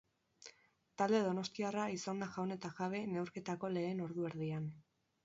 Talde donostiarra izan da jaun eta jabe neurketako lehen ordu erdian.